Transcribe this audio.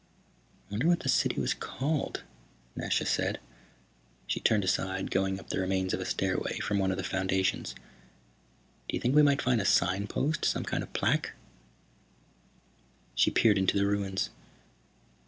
"I wonder what the city was called," Nasha said. She turned aside, going up the remains of a stairway from one of the foundations. "Do you think we might find a signpost? Some kind of plaque?" She peered into the ruins.